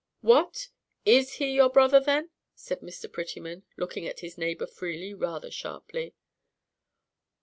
"What! is he your brother, then?" said Mr. Prettyman, looking at his neighbour Freely rather sharply.